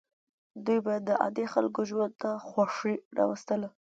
دوی به د عادي خلکو ژوند ته خوښي راوستله.